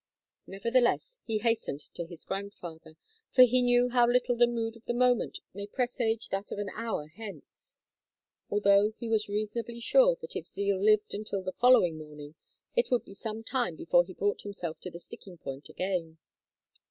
Nevertheless, he hastened to his grandfather, for he knew how little the mood of the moment may presage that of an hour hence; although he was reasonably sure that if Zeal lived until the following morning it would be some time before he brought himself to the sticking point again.